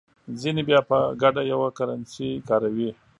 ځینې بیا په ګډه یوه کرنسي کاروي.